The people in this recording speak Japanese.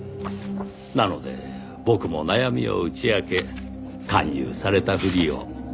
なので僕も悩みを打ち明け勧誘されたふりを。